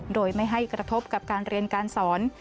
โดยไม่ให้กระทบกับการเรียนการสอน